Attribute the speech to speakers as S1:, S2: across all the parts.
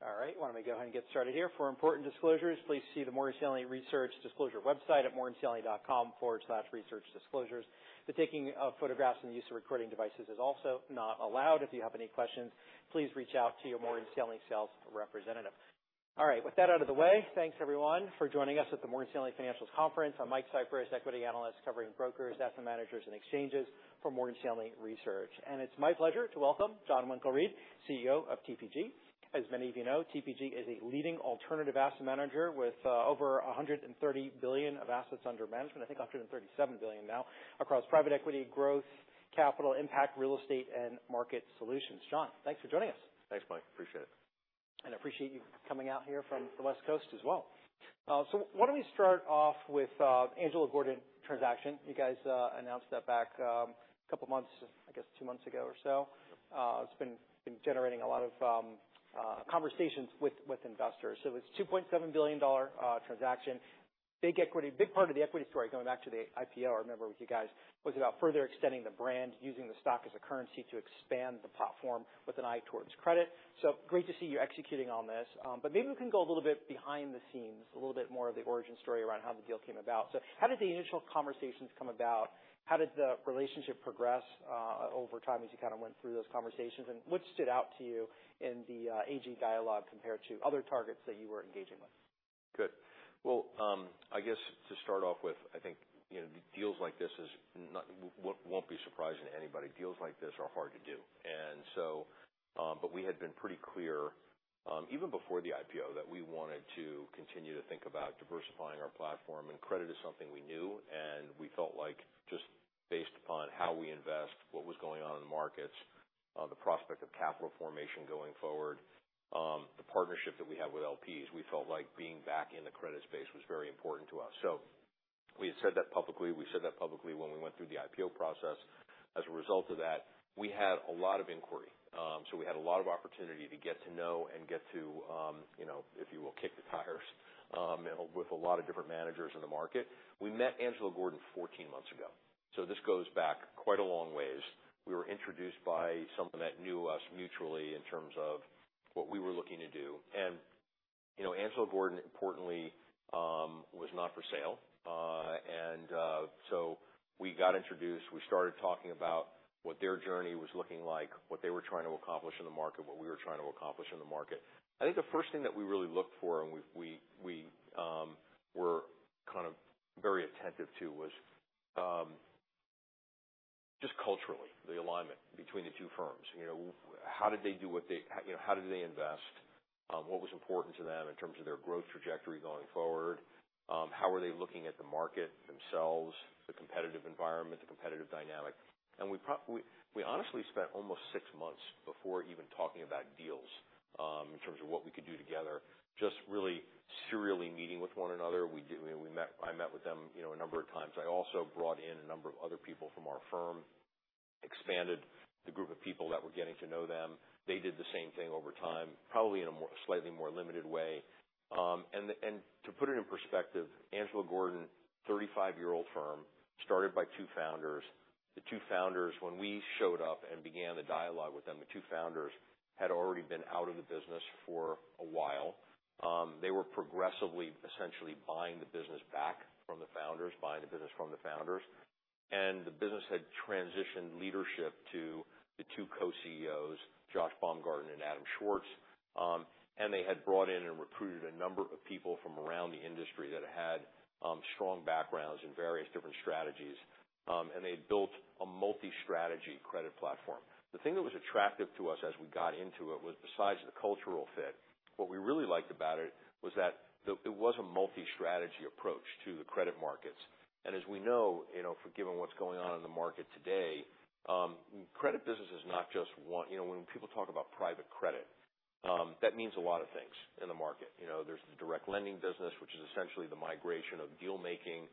S1: All right, why don't we go ahead and get started here? For important disclosures, please see the Morgan Stanley Research Disclosure website at morganstanley.com/researchdisclosures. The taking of photographs and the use of recording devices is also not allowed. If you have any questions, please reach out to your Morgan Stanley sales representative. All right, with that out of the way, thanks, everyone, for joining us at the Morgan Stanley Financials Conference. I'm Mike Cyprys, equity analyst covering brokers, asset managers, and exchanges for Morgan Stanley Research. It's my pleasure to welcome Jon Winkelried, CEO of TPG. As many of you know, TPG is a leading alternative asset manager with over $130 billion of assets under management, I think $137 billion now, across private equity, growth, capital impact, real estate, and market solutions. Jon, thanks for joining us.
S2: Thanks, Mike. Appreciate it.
S1: I appreciate you coming out here from the West Coast as well. Why don't we start off with Angelo Gordon transaction? You guys announced that back a couple of months, I guess, two months ago or so. It's been generating a lot of conversations with investors. It's a $2.7 billion transaction. Big part of the equity story going back to the IPO, I remember with you guys, was about further extending the brand, using the stock as a currency to expand the platform with an eye towards credit. Great to see you executing on this. Maybe we can go a little bit behind the scenes, a little bit more of the origin story around how the deal came about. How did the initial conversations come about? How did the relationship progress over time as you kind of went through those conversations, and what stood out to you in the AG dialogue compared to other targets that you were engaging with?
S2: Good. Well, I guess to start off with, I think, you know, deals like this won't be surprising to anybody. Deals like this are hard to do. We had been pretty clear, even before the IPO, that we wanted to continue to think about diversifying our platform, and credit is something we knew, and we felt like just based upon how we invest, what was going on in the markets, the prospect of capital formation going forward, the partnership that we have with LPs, we felt like being back in the credit space was very important to us. We had said that publicly. We said that publicly when we went through the IPO process. As a result of that, we had a lot of inquiry. We had a lot of opportunity to get to know and get to, you know, if you will, kick the tires with a lot of different managers in the market. We met Angelo Gordon 14 months ago, this goes back quite a long ways. We were introduced by someone that knew us mutually in terms of what we were looking to do. You know, Angelo Gordon, importantly, was not for sale. We got introduced, we started talking about what their journey was looking like, what they were trying to accomplish in the market, what we were trying to accomplish in the market. I think the first thing that we really looked for and we were kind of very attentive to was just culturally, the alignment between the two firms. You know, how did they invest? What was important to them in terms of their growth trajectory going forward? How are they looking at the market themselves, the competitive environment, the competitive dynamic? We honestly spent almost six months before even talking about deals, in terms of what we could do together, just really serially meeting with one another. I met with them, you know, a number of times. I also brought in a number of other people from our firm, expanded the group of people that were getting to know them. They did the same thing over time, probably in a more, slightly more limited way. To put it in perspective, Angelo Gordon, 35-year-old firm, started by two founders. The two founders, when we showed up and began the dialogue with them, the two founders had already been out of the business for a while. They were progressively, essentially buying the business back from the founders. The business had transitioned leadership to the two co-CEOs, Josh Baumgarten and Adam Schwartz. They had brought in and recruited a number of people from around the industry that had strong backgrounds in various different strategies, and they had built a multi-strategy credit platform. The thing that was attractive to us as we got into it was the size of the cultural fit. What we really liked about it was that it was a multi-strategy approach to the credit markets. As we know, you know, forgiven what's going on in the market today, credit business is not just one. You know, when people talk about private credit, that means a lot of things in the market. You know, there's the direct lending business, which is essentially the migration of deal making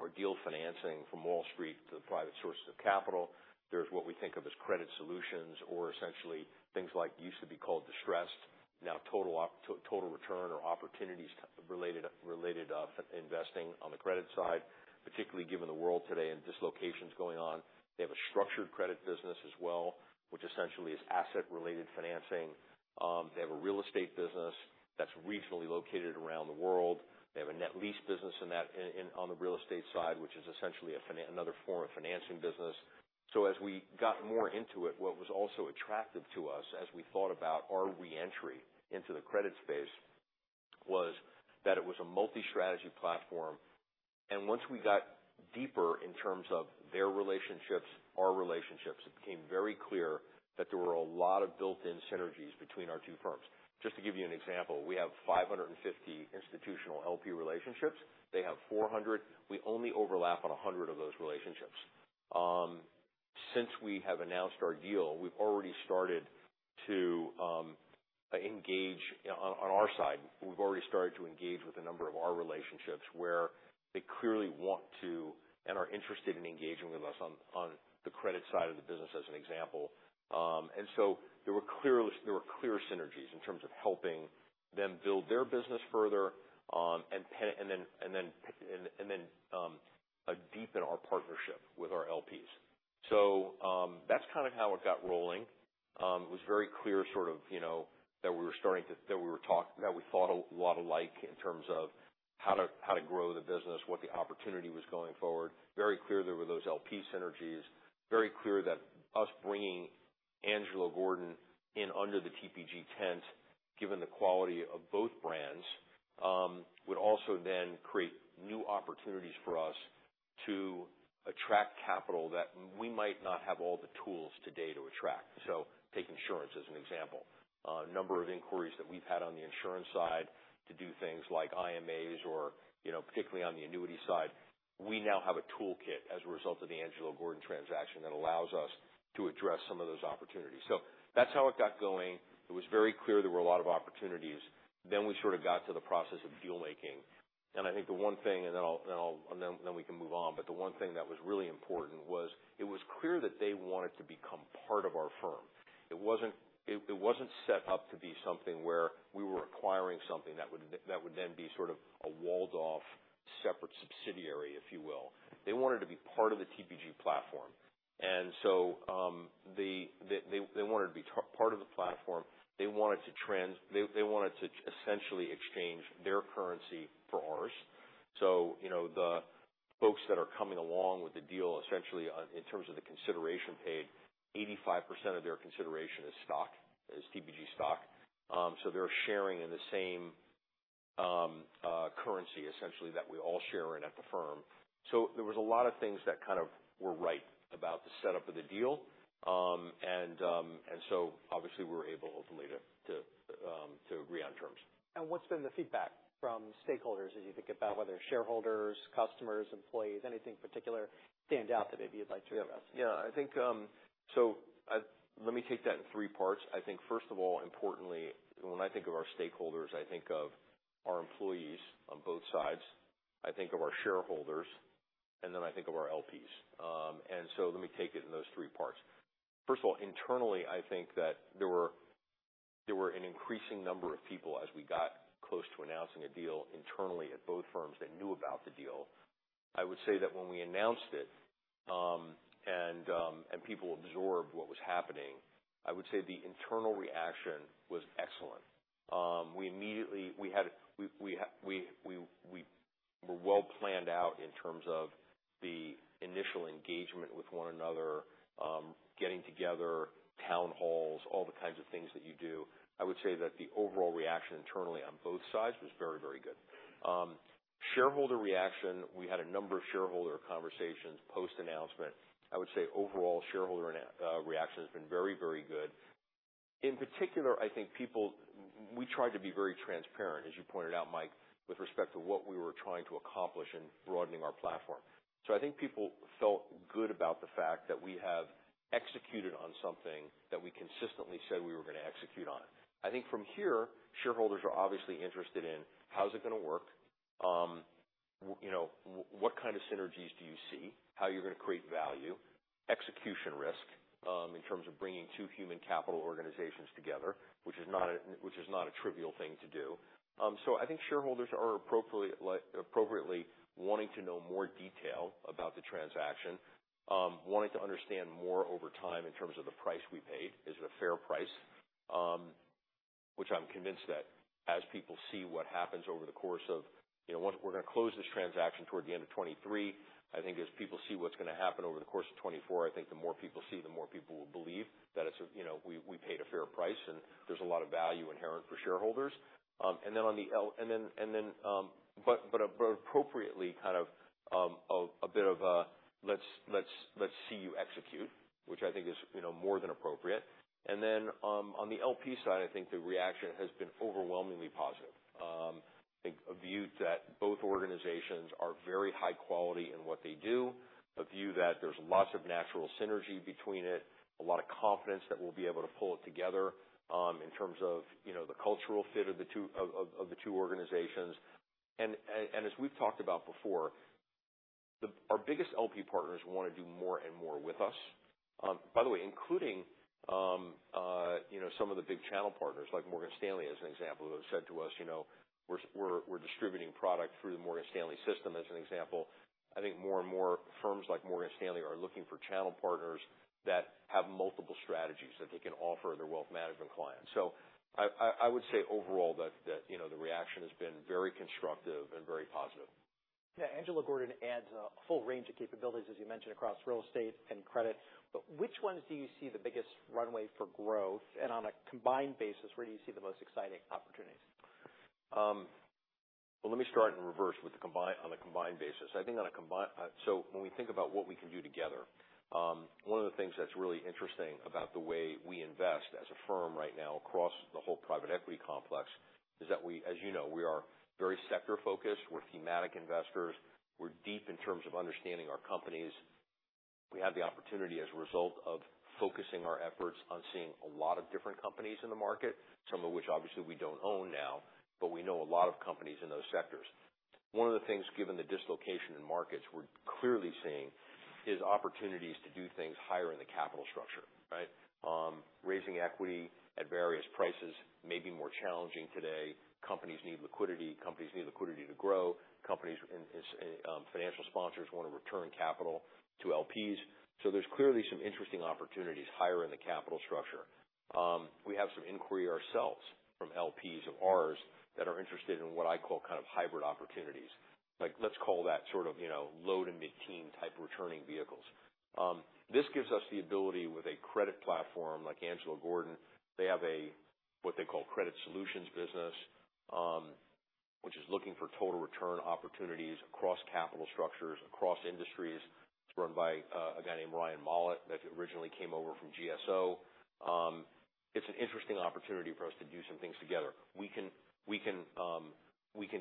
S2: or deal financing from Wall Street to the private sources of capital. There's what we think of as credit solutions, or essentially things like used to be called distressed, now total return or opportunities related, investing on the credit side, particularly given the world today and dislocations going on. They have a structured credit business as well, which essentially is asset related financing. They have a real estate business that's regionally located around the world. They have a net lease business in that, on the real estate side, which is essentially another form of financing business. As we got more into it, what was also attractive to us as we thought about our re-entry into the credit space was that it was a multi-strategy platform, and once we got deeper in terms of their relationships, our relationships, it became very clear that there were a lot of built-in synergies between our two firms. Just to give you an example, we have 550 institutional LP relationships. They have 400. We only overlap on 100 of those relationships. Since we have announced our deal, we've already started to engage. On our side, we've already started to engage with a number of our relationships where they clearly want to and are interested in engaging with us on the credit side of the business, as an example. There were clear synergies in terms of helping them build their business further, and then, a deepen our partnership with our LPs. That's kind of how it got rolling. It was very clear sort of, you know, that we were starting to, that we thought a lot alike in terms of how to grow the business, what the opportunity was going forward. Very clear there were those LP synergies, very clear that us bringing Angelo Gordon in under the TPG tent, given the quality of both brands, would also then create new opportunities for us to attract capital that we might not have all the tools today to attract. Take insurance as an example. A number of inquiries that we've had on the insurance side to do things like IMAs or, you know, particularly on the annuity side, we now have a toolkit as a result of the Angelo Gordon transaction that allows us to address some of those opportunities. That's how it got going. It was very clear there were a lot of opportunities. We sort of got to the process of deal making. I think the one thing, and then I'll, and then we can move on. The one thing that was really important was it was clear that they wanted to become part of our firm. It wasn't, it wasn't set up to be something where we were acquiring something that would then be sort of a walled off separate subsidiary, if you will. They wanted to be part of the TPG platform. They wanted to be part of the platform. They wanted to essentially exchange their currency for ours. So, you know, the folks that are coming along with the deal, essentially on, in terms of the consideration paid, 85% of their consideration is stock, is TPG stock. So they're sharing in the same currency essentially, that we all share in at the firm. There was a lot of things that kind of were right about the setup of the deal. And so obviously, we were able ultimately to agree on terms.
S1: What's been the feedback from stakeholders as you think about whether shareholders, customers, employees, anything particular stand out that maybe you'd like to share with us?
S2: Yeah, I think, let me take that in three parts. I think, first of all, importantly, when I think of our stakeholders, I think of our employees on both sides. I think of our shareholders, then I think of our LPs. Let me take it in those three parts. First of all, internally, I think that there were an increasing number of people as we got close to announcing a deal internally at both firms, that knew about the deal. I would say that when we announced it, and people absorbed what was happening, I would say the internal reaction was excellent. We immediately, we had we were well planned out in terms of the initial engagement with one another, getting together, town halls, all the kinds of things that you do. I would say that the overall reaction internally on both sides was very, very good. Shareholder reaction, we had a number of shareholder conversations post-announcement. I would say overall, shareholder reaction has been very, very good. In particular, I think people we tried to be very transparent, as you pointed out, Mike, with respect to what we were trying to accomplish in broadening our platform. I think people felt good about the fact that we have executed on something that we consistently said we were going to execute on. I think from here, shareholders are obviously interested in how's it going to work? You know, what kind of synergies do you see? How you're going to create value, execution risk, in terms of bringing two human capital organizations together, which is not a trivial thing to do. I think shareholders are appropriately wanting to know more detail about the transaction, wanting to understand more over time in terms of the price we paid. Is it a fair price? Which I'm convinced that as people see what happens over the course of, you know, we're going to close this transaction toward the end of 2023. I think as people see what's going to happen over the course of 2024, I think the more people see, the more people will believe that it's, you know, we paid a fair price, and there's a lot of value inherent for shareholders. But appropriately, kind of, a bit of a let's see you execute, which I think is, you know, more than appropriate. On the LP side, I think the reaction has been overwhelmingly positive. I think a view that both organizations are very high quality in what they do, a view that there's lots of natural synergy between it, a lot of confidence that we'll be able to pull it together, in terms of, you know, the cultural fit of the two organizations. As we've talked about before, the, our biggest LP partners want to do more and more with us. By the way, including, you know, some of the big channel partners, like Morgan Stanley, as an example, who have said to us, "You know, we're distributing product through the Morgan Stanley system," as an example. I think more and more firms like Morgan Stanley are looking for channel partners that have multiple strategies that they can offer their wealth management clients. I would say overall that, you know, the reaction has been very constructive and very positive.
S1: Yeah, Angelo Gordon adds a full range of capabilities, as you mentioned, across real estate and credit. Which ones do you see the biggest runway for growth? On a combined basis, where do you see the most exciting opportunities?
S2: Well, let me start in reverse with the combined, on a combined basis. When we think about what we can do together, one of the things that's really interesting about the way we invest as a firm right now across the whole private equity complex, is that we, as you know, we are very sector focused. We're thematic investors. We're deep in terms of understanding our companies. We have the opportunity, as a result of focusing our efforts on seeing a lot of different companies in the market, some of which obviously we don't own now, but we know a lot of companies in those sectors. One of the things, given the dislocation in markets, we're clearly seeing is opportunities to do things higher in the capital structure, right? Raising equity at various prices may be more challenging today. Companies need liquidity. Companies need liquidity to grow. Companies and financial sponsors want to return capital to LPs. There's clearly some interesting opportunities higher in the capital structure. We have some inquiry ourselves from LPs of ours that are interested in what I call kind of hybrid opportunities. Like, let's call that sort of, you know, low to mid-teen type returning vehicles. This gives us the ability with a credit platform like Angelo Gordon. They have a, what they call credit solutions business, which is looking for total return opportunities across capital structures, across industries. It's run by a guy named Ryan Mollett, that originally came over from GSO. It's an interesting opportunity for us to do some things together. We can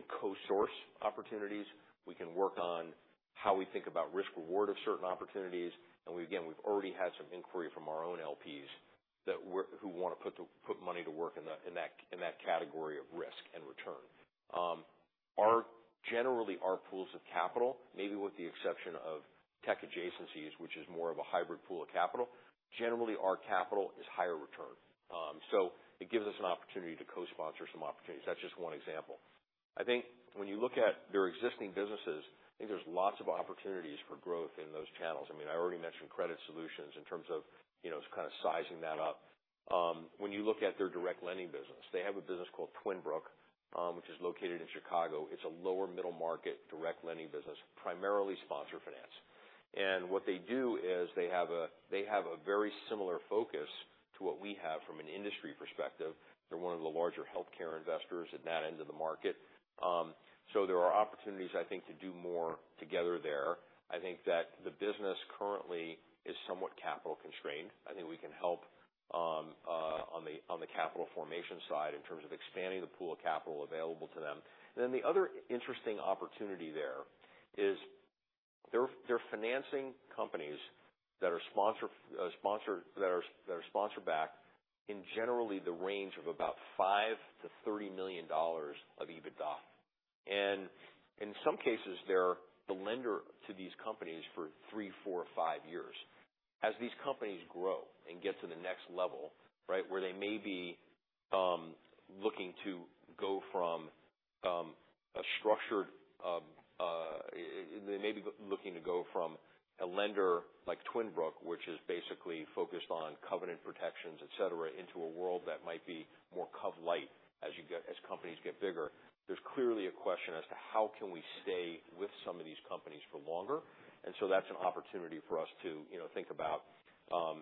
S2: co-source opportunities. We can work on how we think about risk reward of certain opportunities. We again, we've already had some inquiry from our own LPs who want to put money to work in that category of risk and return. Generally, our pools of capital, maybe with the exception of TPG Tech Adjacencies, which is more of a hybrid pool of capital, generally, our capital is higher return. It gives us an opportunity to co-sponsor some opportunities. That's just one example. I think when you look at their existing businesses, I think there's lots of opportunities for growth in those channels. I mean, I already mentioned credit solutions in terms of, you know, just kind of sizing that up. When you look at their direct lending business, they have a business called Twin Brook Capital Partners, which is located in Chicago. It's a lower middle market, direct lending business, primarily sponsor finance. What they do is they have a very similar focus to what we have from an industry perspective. They're one of the larger healthcare investors at that end of the market. There are opportunities, I think, to do more together there. I think that the business currently is somewhat capital constrained. I think we can help on the capital formation side in terms of expanding the pool of capital available to them. The other interesting opportunity there is they're financing companies that are sponsor backed in generally the range of about $5 million-$30 million of EBITDA. In some cases, they're the lender to these companies for three, four or five years. As these companies grow and get to the next level, right, where they may be looking to go from a structured, they may be looking to go from a lender like Twin Brook, which is basically focused on covenant protections, et cetera, into a world that might be more covenant-light as companies get bigger. There's clearly a question as to how can we stay with some of these companies for longer? That's an opportunity for us to, you know, think about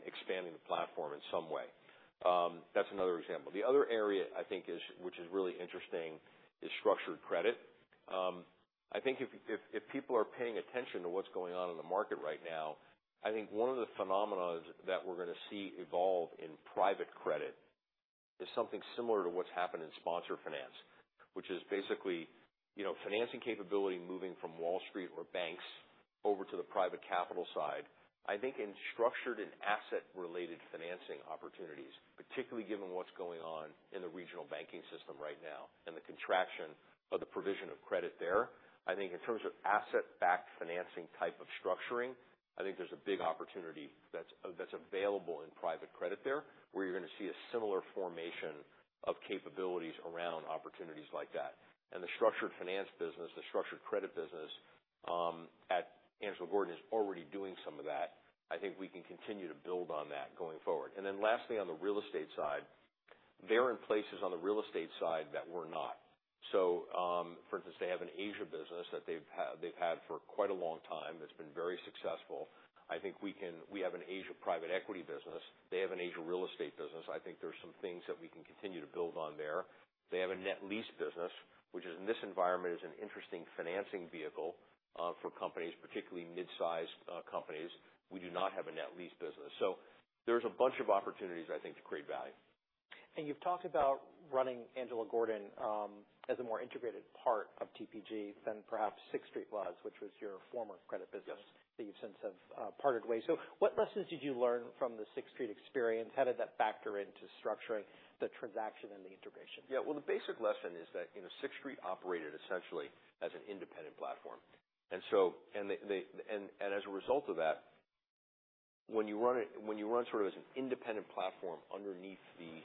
S2: expanding the platform in some way. That's another example. The other area I think is, which is really interesting, is structured credit. I think if people are paying attention to what's going on in the market right now, I think one of the phenomenons that we're going to see evolve in private credit is something similar to what's happened in sponsor finance. Which is basically, you know, financing capability moving from Wall Street or banks over to the private capital side. I think in structured and asset related financing opportunities, particularly given what's going on in the regional banking system right now, and the contraction of the provision of credit there, I think in terms of asset-backed financing type of structuring, I think there's a big opportunity that's available in private credit there, where you're going to see a similar formation of capabilities around opportunities like that. The structured finance business, the structured credit business, at Angelo Gordon is already doing some of that. I think we can continue to build on that going forward. Lastly, on the real estate side, they're in places on the real estate side that we're not. For instance, they have an Asia business that they've had for quite a long time, that's been very successful. I think we have an Asia private equity business. They have an Asia real estate business. I think there's some things that we can continue to build on there. They have a net lease business, which in this environment, is an interesting financing vehicle for companies, particularly mid-sized companies. We do not have a net lease business. There's a bunch of opportunities, I think, to create value.
S1: You've talked about running Angelo Gordon as a more integrated part of TPG than perhaps Sixth Street was, which was your former credit business that you've since have parted ways. What lessons did you learn from the Sixth Street experience? How did that factor into structuring the transaction and the integration?
S2: Yeah. Well, the basic lesson is that, you know, Sixth Street operated essentially as an independent platform. As a result of that, when you run sort of as an independent platform underneath the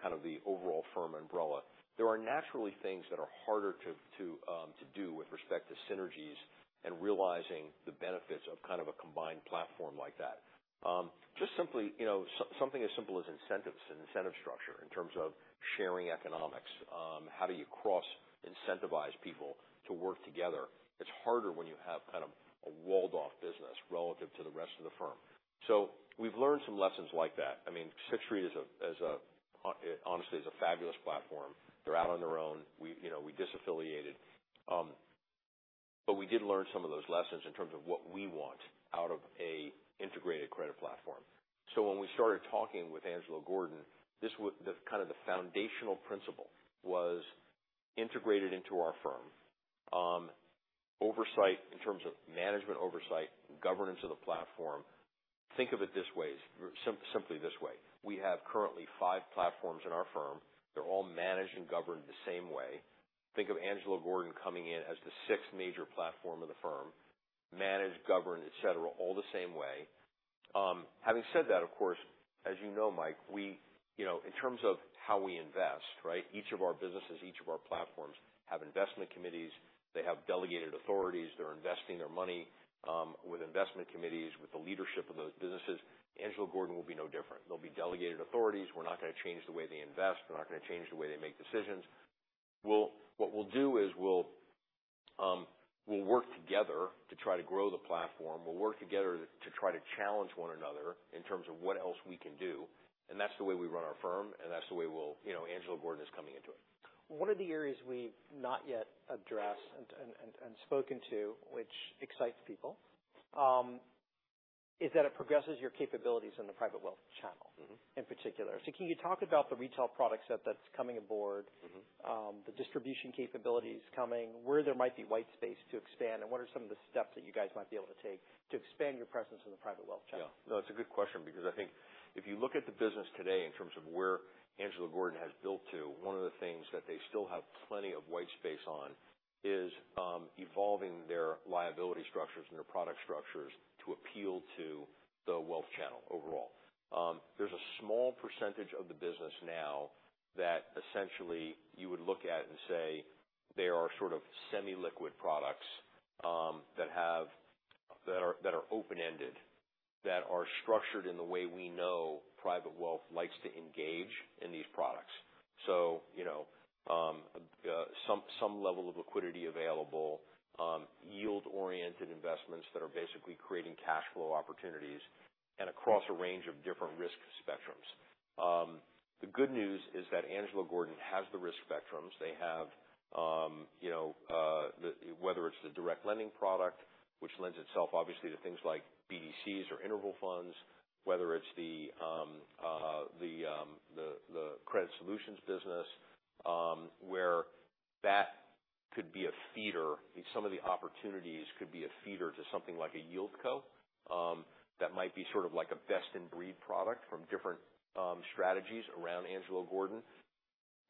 S2: kind of the overall firm umbrella, there are naturally things that are harder to do with respect to synergies and realizing the benefits of kind of a combined platform like that. Just simply, you know, something as simple as incentives and incentive structure in terms of sharing economics. How do you cross-incentivize people to work together? It's harder when you have kind of a walled off business relative to the rest of the firm. We've learned some lessons like that. I mean, Sixth Street is a, honestly, is a fabulous platform. They're out on their own. We, you know, we disaffiliated. We did learn some of those lessons in terms of what we want out of a integrated credit platform. When we started talking with Angelo Gordon, this was kind of the foundational principle was integrated into our firm. Oversight in terms of management oversight, governance of the platform. Think of it this way, simply this way. We have currently five platforms in our firm. They're all managed and governed the same way. Think of Angelo Gordon coming in as the sixth major platform of the firm, managed, governed, et cetera, all the same way. Having said that, of course, as you know, Mike, we, you know, in terms of how we invest, right? Each of our businesses, each of our platforms, have investment committees. They have delegated authorities. They're investing their money, with investment committees, with the leadership of those businesses. Angelo Gordon will be no different. There'll be delegated authorities. We're not going to change the way they invest. We're not going to change the way they make decisions. What we'll do is we'll work together to try to grow the platform. We'll work together to try to challenge one another in terms of what else we can do. That's the way we run our firm, and that's the way we'll, you know, Angelo Gordon is coming into it.
S1: One of the areas we've not yet addressed and spoken to, which excites people, is that it progresses your capabilities in the private wealth channel.
S2: Mm-hmm.
S1: In particular. Can you talk about the retail product set that's coming aboard?
S2: Mm-hmm.
S1: The distribution capabilities coming, where there might be white space to expand, and what are some of the steps that you guys might be able to take to expand your presence in the private wealth channel?
S2: It's a good question because I think if you look at the business today in terms of where Angelo Gordon has built to, one of the things that they still have plenty of white space on is evolving their liability structures and their product structures to appeal to the wealth channel overall. There's a small percentage of the business now that essentially you would look at and say they are sort of semi-liquid products that are open-ended, that are structured in the way we know private wealth likes to engage in these products. You know, some level of liquidity available, yield-oriented investments that are basically creating cash flow opportunities and across a range of different risk spectrums. The good news is that Angelo Gordon has the risk spectrums. They have, you know, whether it's the direct lending product, which lends itself obviously to things like BDCs or interval funds, whether it's the credit solutions business, where that could be a feeder, some of the opportunities could be a feeder to something like a Yieldco. That might be sort of like a best in breed product from different strategies around Angelo Gordon.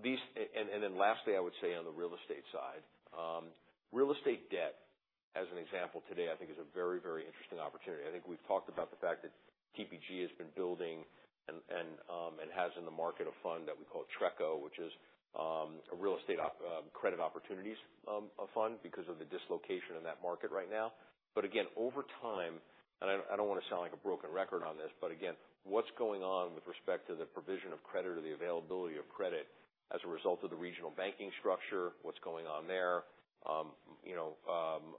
S2: Then lastly, I would say on the real estate side. Real estate debt, as an example, today, I think is a very, very interesting opportunity. I think we've talked about the fact that TPG has been building and, and has in the market a fund that we call TRECO, which is, a real estate credit opportunities fund because of the dislocation in that market right now. Again, over time, and I don't want to sound like a broken record on this, but again, what's going on with respect to the provision of credit or the availability of credit as a result of the regional banking structure, what's going on there? you know,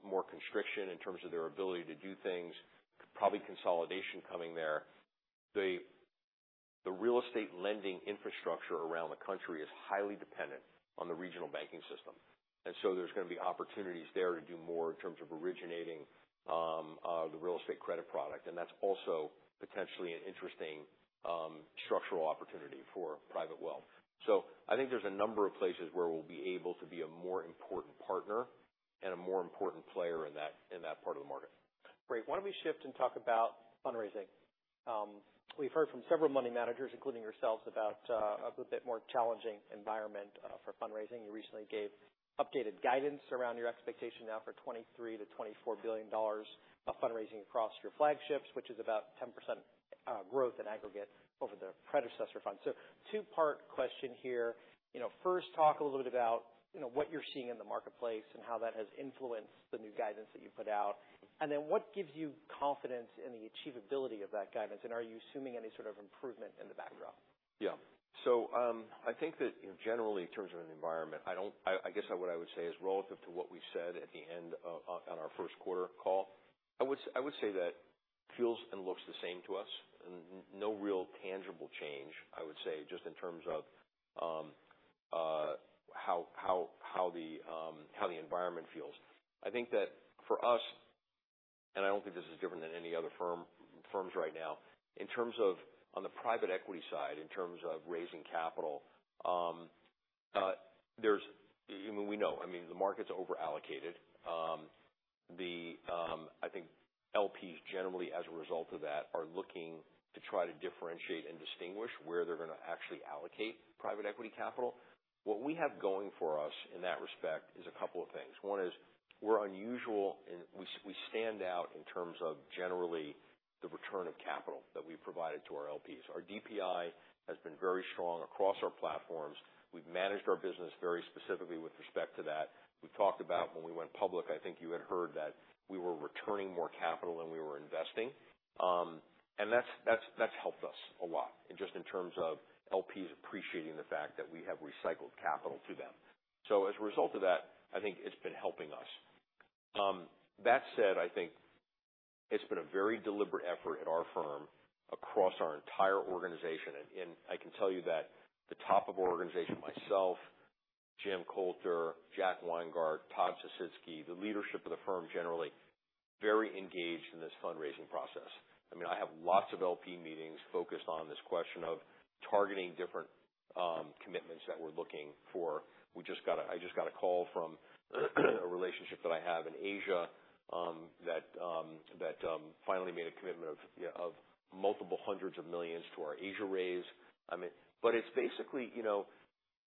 S2: more constriction in terms of their ability to do things, probably consolidation coming there. The real estate lending infrastructure around the country is highly dependent on the regional banking system, there's going to be opportunities there to do more in terms of originating the real estate credit product, and that's also potentially an interesting structural opportunity for private wealth. I think there's a number of places where we'll be able to be a more important partner and a more important player in that part of the market.
S1: Great. Why don't we shift and talk about fundraising? We've heard from several money managers, including yourselves, about a bit more challenging environment for fundraising. You recently gave updated guidance around your expectation now for $23 billion-$24 billion of fundraising across your flagships, which is about 10% growth in aggregate over the predecessor fund. Two-part question here. You know, first, talk a little bit about, you know, what you're seeing in the marketplace and how that has influenced the new guidance that you put out. What gives you confidence in the achievability of that guidance, and are you assuming any sort of improvement in the backdrop?
S2: Yeah. I think that, you know, generally, in terms of an environment, I guess what I would say is, relative to what we said at the end of, on our Q1 call, I would say that feels and looks the same to us, and no real tangible change, I would say, just in terms of, how the, how the environment feels. I think that for us, and I don't think this is different than any other firms right now, in terms of on the private equity side, in terms of raising capital, there's I mean, we know, I mean, the market's over-allocated. I think LPs generally, as a result of that, are looking to try to differentiate and distinguish where they're going to actually allocate private equity capital. What we have going for us in that respect is a couple of things. One is we're unusual, and we stand out in terms of generally the return of capital that we've provided to our LPs. Our DPI has been very strong across our platforms. We've managed our business very specifically with respect to that. We talked about when we went public, I think you had heard that we were returning more capital than we were investing. And that's helped us a lot, just in terms of LPs appreciating the fact that we have recycled capital to them. As a result of that, I think it's been helping us. That said, I think it's been a very deliberate effort at our firm, across our entire organization. I can tell you that the top of our organization, myself, Jim Coulter, Jack Weingart, Todd Sisitsky, the leadership of the firm, generally, very engaged in this fundraising process. I mean, I have lots of LP meetings focused on this question of targeting different commitments that we're looking for. I just got a call from a relationship that I have in Asia that, finally made a commitment of, you know, of multiple hundreds of millions to our Asia raise. I mean, it's basically, you know,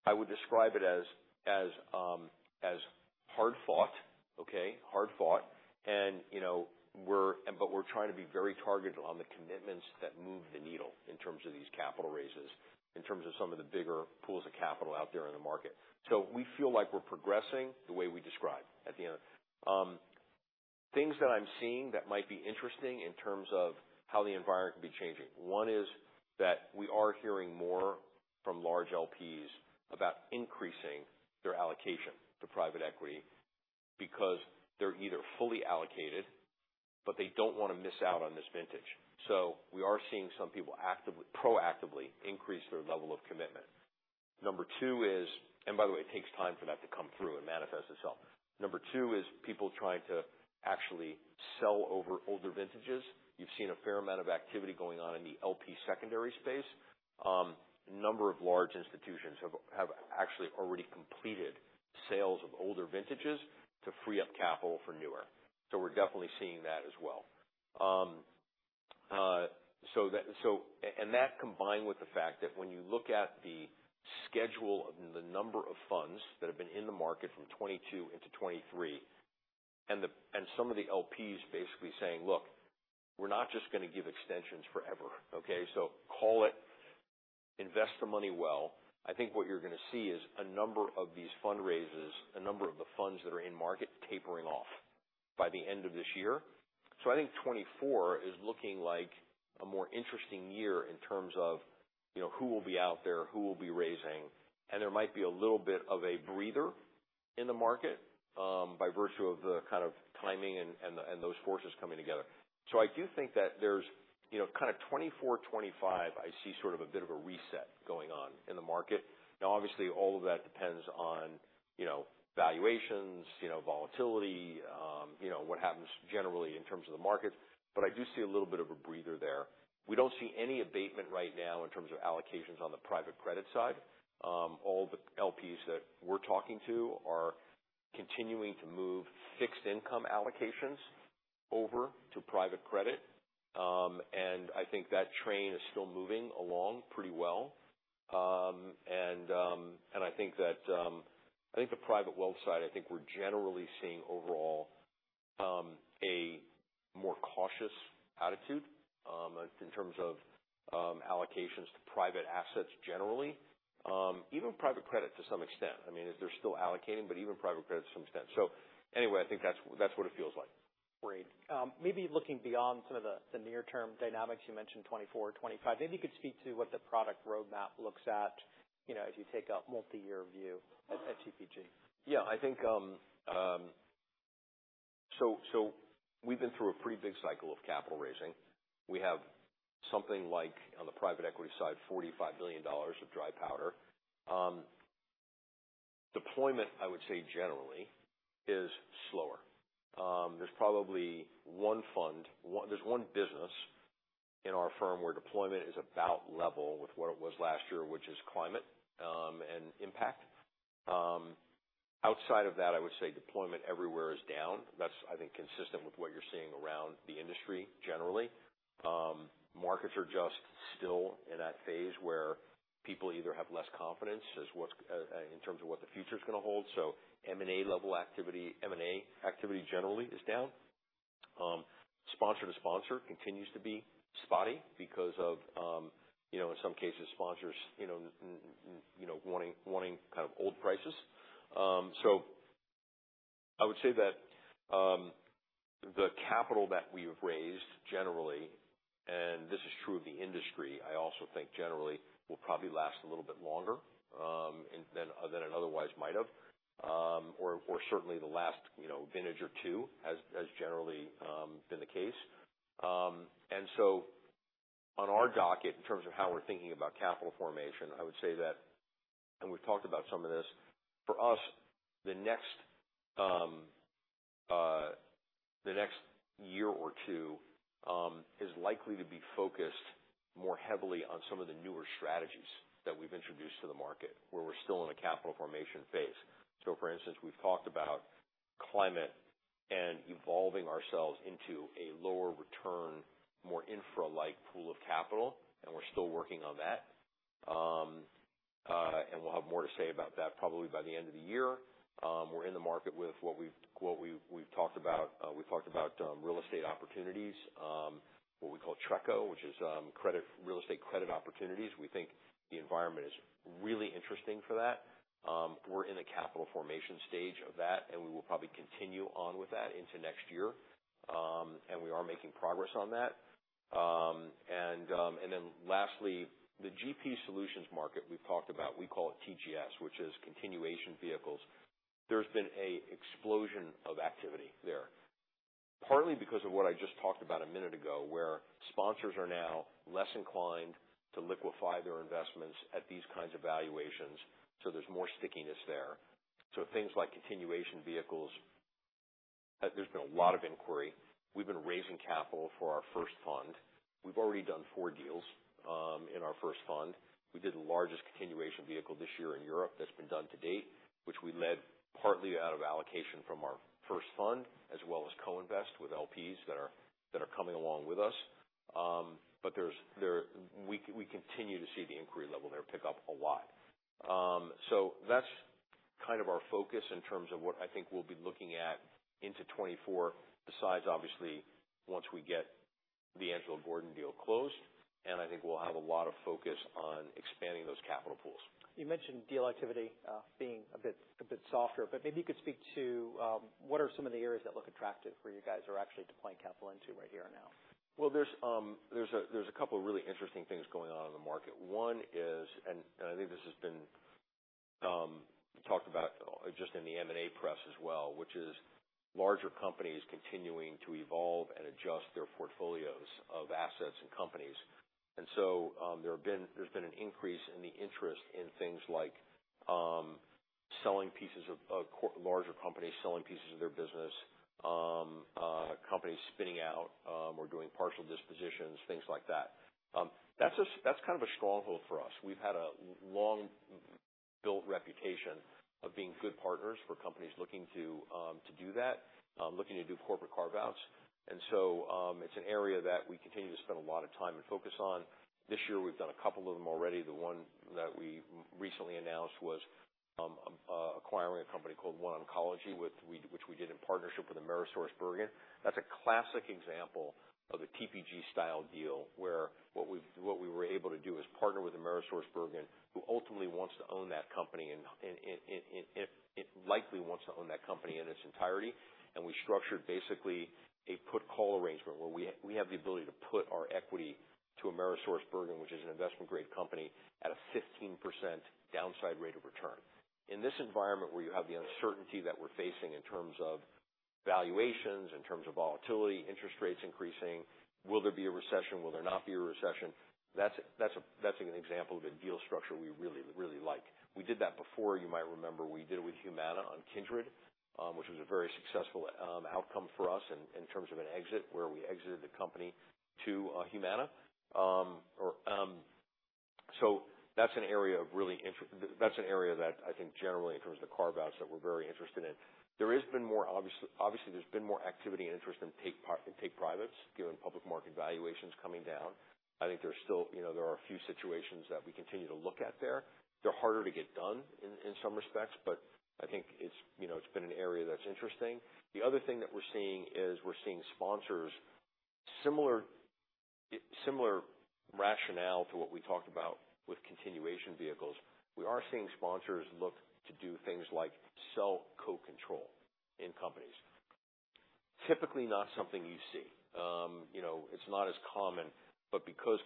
S2: I would describe it as hard fought, okay? Hard fought, you know, we're, but we're trying to be very targeted on the commitments that move the needle in terms of these capital raises, in terms of some of the bigger pools of capital out there in the market. We feel like we're progressing the way we described at the end. Things that I'm seeing that might be interesting in terms of how the environment could be changing. One is that we are hearing more from large LPs about increasing their allocation to private equity because they're either fully allocated, but they don't want to miss out on this vintage. We are seeing some people actively, proactively increase their level of commitment. Number two is, by the way, it takes time for that to come through and manifest itself. Number two is people trying to actually sell over older vintages. You've seen a fair amount of activity going on in the LP secondary space. A number of large institutions have actually already completed sales of older vintages to free up capital for newer. We're definitely seeing that as well. That, and that combined with the fact that when you look at the schedule and the number of funds that have been in the market from 2022 into 2023, and some of the LPs basically saying, "Look, we're not just going to give extensions forever, okay? Call it, invest the money well." I think what you're going to see is a number of these fundraisers, a number of the funds that are in market tapering off by the end of this year. I think 2024 is looking like a more interesting year in terms of, you know, who will be out there, who will be raising, and there might be a little bit of a breather in the market by virtue of the kind of timing and the, and those forces coming together. I do think that there's, you know, kind of 2024, 2025, I see sort of a bit of a reset going on in the market. Obviously, all of that depends on, you know, valuations, you know, volatility, you know, what happens generally in terms of the markets, but I do see a little bit of a breather there. We don't see any abatement right now in terms of allocations on the private credit side. All the LPs that we're talking to are continuing to move fixed income allocations over to private credit. I think that train is still moving along pretty well. I think that, I think the private wealth side, I think we're generally seeing overall, a more cautious attitude, in terms of, allocations to private assets generally, even private credit to some extent. I mean, they're still allocating, but even private credit to some extent. Anyway, I think that's what it feels like.
S1: Great. Maybe looking beyond some of the near term dynamics, you mentioned 2024, 2025. Maybe you could speak to what the product roadmap looks at, you know, as you take a multiyear view at TPG?
S2: Yeah, I think, so we've been through a pretty big cycle of capital raising. We have something like, on the private equity side, $45 billion of dry powder. Deployment, I would say generally, is slower. There's probably one fund, there's one business in our firm where deployment is about level with what it was last year, which is climate and impact. Outside of that, I would say deployment everywhere is down. That's, I think, consistent with what you're seeing around the industry generally. Markets are just still in that phase where people either have less confidence as what's in terms of what the future's going to hold. M&A activity generally is down. Sponsor to sponsor continues to be spotty because of, in some cases, sponsors wanting kind of old prices. I would say that the capital that we've raised generally, and this is true of the industry, I also think generally will probably last a little bit longer than it otherwise might have. Or certainly the last vintage or two has generally been the case. On our docket, in terms of how we're thinking about capital formation, I would say that, and we've talked about some of this, for us, the next year or two is likely to be focused more heavily on some of the newer strategies that we've introduced to the market, where we're still in a capital formation phase. we've talked about climate and evolving ourselves into a lower return, more infra-like pool of capital, and we're still working on that. And we'll have more to say about that probably by the end of the year. We're in the market with what we've, what we've talked about. We've talked about real estate opportunities, what we call TRECO, which is credit, real estate credit opportunities. We think the environment is really interesting for that. We're in the capital formation stage of that, and we will probably continue on with that into next year. And we are making progress on that. And then lastly, the GP solutions market we've talked about, we call it TGS, which is continuation vehicles There's been an explosion of activity there, partly because of what I just talked about a minute ago, where sponsors are now less inclined to liquefy their investments at these kinds of valuations, there's more stickiness there. Things like continuation vehicles. There's been a lot of inquiry. We've been raising capital for our first fund. We've already done four deals in our first fund. We did the largest continuation vehicle this year in Europe that's been done to date, which we led partly out of allocation from our first fund, as well as co-invest with LPs that are coming along with us. We continue to see the inquiry level there pick up a lot. That's kind of our focus in terms of what I think we'll be looking at into 2024, besides obviously, once we get the Angelo Gordon deal closed, and I think we'll have a lot of focus on expanding those capital pools.
S1: You mentioned deal activity, being a bit softer, but maybe you could speak to what are some of the areas that look attractive where you guys are actually deploying capital into right here and now?
S2: Well, there's a couple of really interesting things going on in the market. One is, and I think this has been talked about just in the M&A press as well, which is larger companies continuing to evolve and adjust their portfolios of assets and companies. There's been an increase in the interest in things like selling pieces of larger companies selling pieces of their business, companies spinning out, or doing partial dispositions, things like that. That's a, that's kind of a stronghold for us. We've had a long built reputation of being good partners for companies looking to do that, looking to do corporate carve-outs. It's an area that we continue to spend a lot of time and focus on. This year we've done a couple of them already. The one that we recently announced was acquiring a company called OneOncology, which we did in partnership with AmerisourceBergen. That's a classic example of a TPG style deal, where what we were able to do is partner with AmerisourceBergen, who ultimately wants to own that company, and likely wants to own that company in its entirety. We structured basically a put call arrangement, where we have the ability to put our equity to AmerisourceBergen, which is an investment grade company, at a 15% downside rate of return. In this environment, where you have the uncertainty that we're facing in terms of valuations, in terms of volatility, interest rates increasing, will there be a recession? Will there not be a recession? That's an example of a deal structure we really like. We did that before, you might remember. We did it with Humana on Kindred, which was a very successful outcome for us in terms of an exit, where we exited the company to Humana. That's an area that I think generally, in terms of the carve-outs, that we're very interested in. There has been more obviously, there's been more activity and interest in take privates, given public market valuations coming down. I think there's still, you know, there are a few situations that we continue to look at there. They're harder to get done in some respects, but I think it's, you know, it's been an area that's interesting. The other thing that we're seeing is, we're seeing sponsors, similar rationale to what we talked about with continuation vehicles. We are seeing sponsors look to do things like sell co-control in companies. Typically not something you see. you know, it's not as common, but because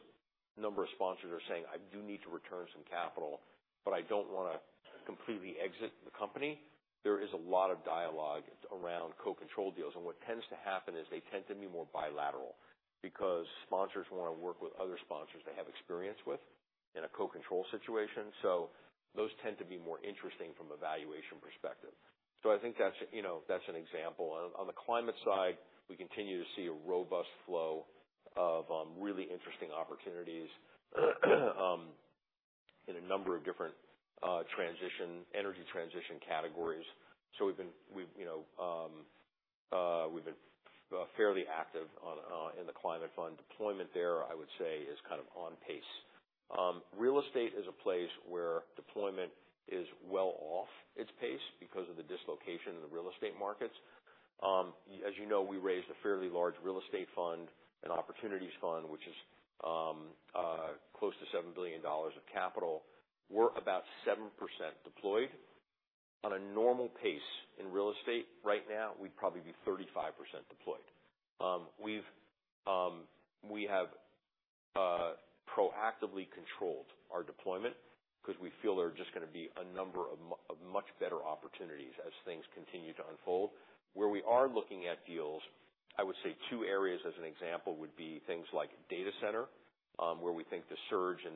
S2: a number of sponsors are saying, "I do need to return some capital, but I don't want to completely exit the company," there is a lot of dialogue around co-control deals. What tends to happen is they tend to be more bilateral, because sponsors want to work with other sponsors they have experience with in a co-control situation. Those tend to be more interesting from a valuation perspective. I think that's, you know, that's an example. On the climate side, we continue to see a robust flow of really interesting opportunities in a number of different transition, energy transition categories. We've been, you know, we've been fairly active in the climate fund. Deployment there, I would say, is kind of on pace. Real estate is a place where deployment is well off its pace because of the dislocation in the real estate markets. As you know, we raised a fairly large real estate fund, an opportunities fund, which is close to $7 billion of capital. We're about 7% deployed. On a normal pace in real estate right now, we'd probably be 35% deployed. We've, we have proactively controlled our deployment because we feel there are just going to be a number of much better opportunities as things continue to unfold. Where we are looking at deals, I would say two areas as an example, would be things like data center, where we think the surge in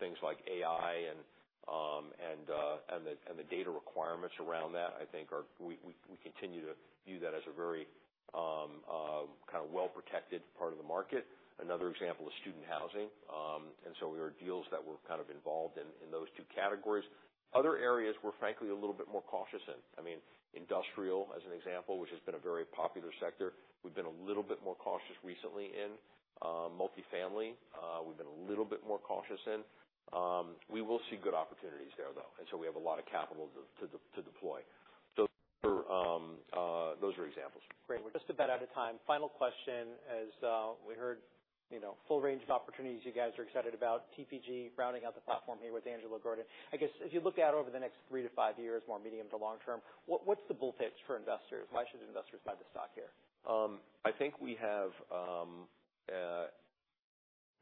S2: things like AI and the data requirements around that, we continue to view that as a very, kind of well-protected part of the market. Another example is student housing. There are deals that we're kind of involved in those two categories. Other areas we're frankly a little bit more cautious in, I mean, industrial, as an example, which has been a very popular sector. We've been a little bit more cautious recently in, multifamily. We've been a little bit more cautious in. We will see good opportunities there, though, and so we have a lot of capital to deploy. Those are examples.
S1: Great. We're just about out of time. Final question, as we heard, you know, full range of opportunities you guys are excited about, TPG rounding out the platform here with Angelo Gordon. I guess if you look out over the next three to five years, more medium to long term, what's the bull case for investors? Why should investors buy the stock here?
S2: I think we have,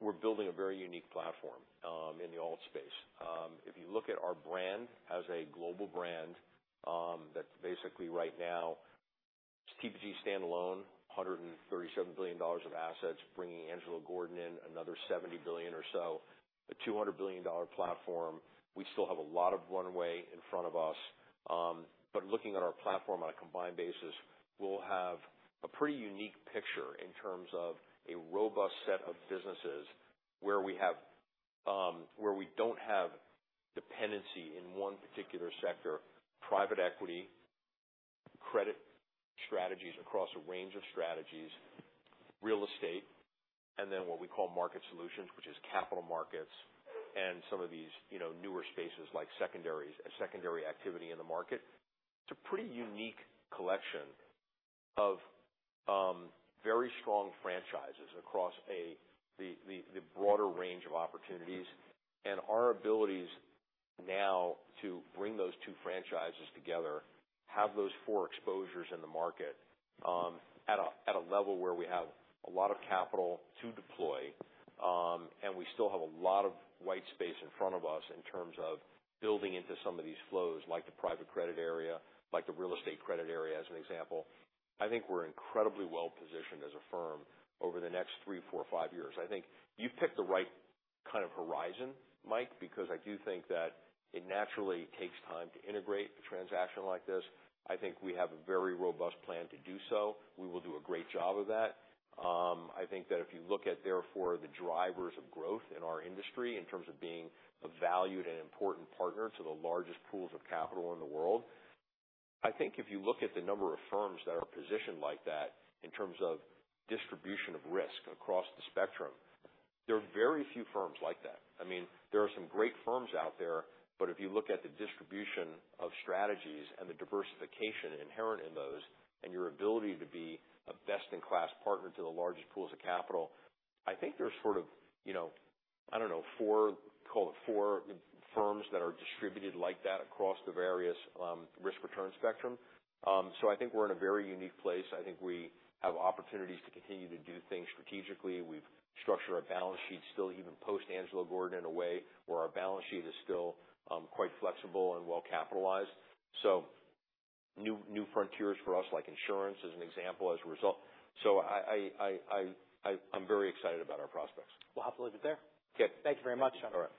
S2: we're building a very unique platform in the alt space. If you look at our brand as a global brand, that basically right now TPG standalone, $137 billion of assets, bringing Angelo Gordon in, another $70 billion or so, a $200 billion platform, we still have a lot of runway in front of us. Looking at our platform on a combined basis, we'll have a pretty unique picture in terms of a robust set of businesses where we have, where we don't have dependency in one particular sector, private equity, credit strategies across a range of strategies, real estate, and then what we call market solutions, which is capital markets and some of these, you know, newer spaces like secondaries and secondary activity in the market. It's a pretty unique collection of very strong franchises across the broader range of opportunities. Our abilities now to bring those two franchises together, have those four exposures in the market, at a level where we have a lot of capital to deploy, and we still have a lot of white space in front of us in terms of building into some of these flows, like the private credit area, like the real estate credit area, as an example. I think we're incredibly well positioned as a firm over the next three, four, five years. I think you've picked the right kind of horizon, Mike, because I do think that it naturally takes time to integrate a transaction like this. I think we have a very robust plan to do so. We will do a great job of that. I think that if you look at, therefore, the drivers of growth in our industry in terms of being a valued and important partner to the largest pools of capital in the world, I think if you look at the number of firms that are positioned like that in terms of distribution of risk across the spectrum. There are very few firms like that. I mean, there are some great firms out there, but if you look at the distribution of strategies and the diversification inherent in those, and your ability to be a best-in-class partner to the largest pools of capital. I think there's sort of, you know, I don't know, four, call it four firms that are distributed like that across the various risk return spectrum. I think we're in a very unique place. I think we have opportunities to continue to do things strategically. We've structured our balance sheet still even post Angelo Gordon in a way where our balance sheet is still quite flexible and well capitalized. New frontiers for us, like insurance as an example, as a result. I'm very excited about our prospects.
S1: We'll have to leave it there.
S2: Okay.
S1: Thank you very much.
S2: All right.